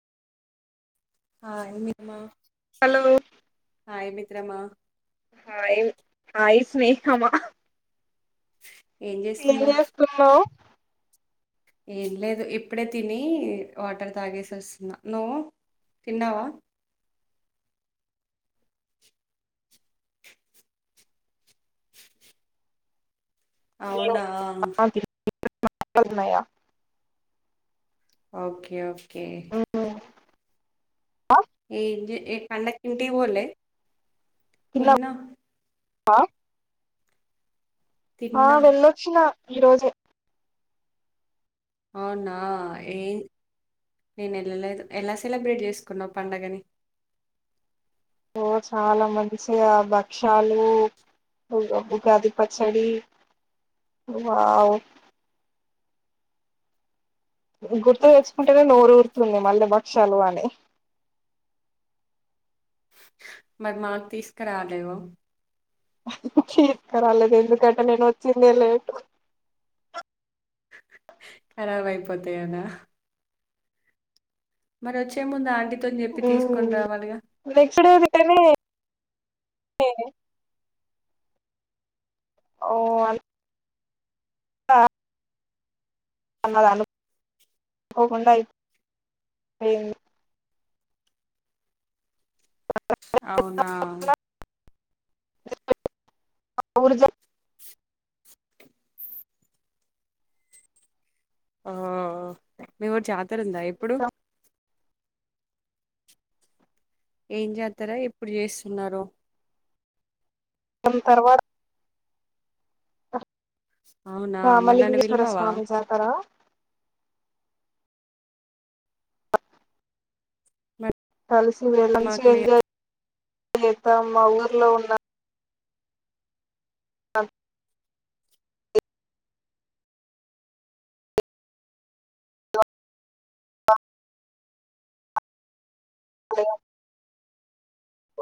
ఆ [unintelligible] హలో మిత్ర్రమా hi hi స్నేహమా ఏం చేస్తున్నావ్ ఏం లేదు ఇప్పుడే తిని వాటర్ తాగేసి వస్తున్నా నువ్వు తిన్నావా అవునా [unintelligible] ఉన్నాయ ఓకే ఓకే ఆ ఏంచే ఏ పండకి ఇంటికి పోలే తిన్నా ఆ ఆ తిన్నా వెళ్ళొచ్చిన ఈ రోజే అవునా ఏం నేను ఎళ్ళలేదు ఎలా సెలబ్రేట్ చేసుకున్నావు పండగని ఓ చాలా మంచిగా భక్షాలు ఉగ ఉగాది పచ్చడి వావ్ గుర్తు తెచ్చుకుంటేనే నోరు ఊరుతుంది మళ్ళీ భక్షాలు అని మరి మాకు తీసుకురలేవ్ తీసుకరాలేదు ఎందుకంటే నేను వచ్చిందే లేటు ఖరాబ్ అయిపోతాయి అన మరి వచ్చే ముందు చెప్పి తీసుకొని ఊమ్ రావాలిగా నెక్స్ట్ డే దింటనే ఏ ఓ ఆ [unintelligible] అనుకోకుండా అయి అవునా [unintelligible] ఊర్జ ఆ మీ ఊరు జాతర ఉందా ఇప్పుడు జరగడం ఏం జాతర ఎప్పుడు చేస్తున్నారు తర్వాత అవునా ఆ మరి నన్ను మలింగేశ్వర పిలవవా స్వామి జాతర మరి కలిసి వెళ్ళం చి మాకు లే ఎంజాయ్ చేతం మా ఊర్లో ఉన్న అ [inaudible] హలో